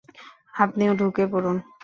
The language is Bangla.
আপনিও ঢুকে পড়ুন।